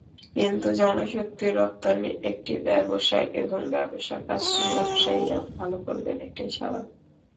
কিন্তু জনশক্তি রপ্তানি একটি ব্যবসা এবং ব্যবসার কাজটি ব্যবসায়ীরা ভালো করবেন, এটাই স্বাভাবিক।